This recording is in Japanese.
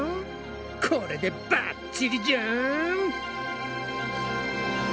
これでばっちりじゃん！